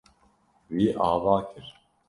Wî ava kir.